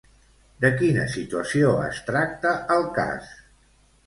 De quina situació es tracta el cas?